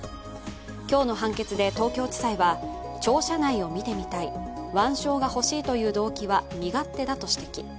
今日の判決で東京地裁は庁舎内を見てみたい腕章が欲しいという動機は身勝手だと指摘。